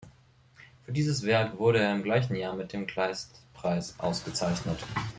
Für dieses Werk wurde er im gleichen Jahr mit dem Kleistpreis ausgezeichnet.